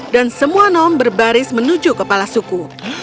dan semua nom berbaris menuju kepala suku